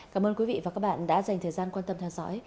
cảm ơn quý vị và các bạn đã dành thời gian quan tâm theo dõi